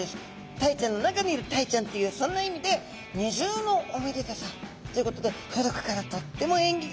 タイちゃんの中にいるタイちゃんっていうそんな意味で二重のおめでたさ！っていうことで古くからとっても縁起がいいものとされています。